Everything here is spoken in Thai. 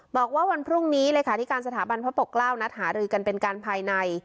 บอกว่าวันพรุ่งนี้เลขาธิการสถาบันพระปกเกล้านัดหารือกันเป็นการภายใน